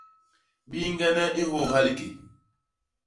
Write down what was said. Biñgene i nhôôha liké.